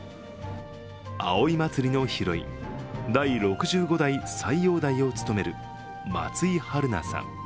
葵祭のヒロイン第６５代斎王代を務める松井陽菜さん。